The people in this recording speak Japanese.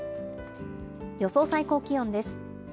予想最高気温です。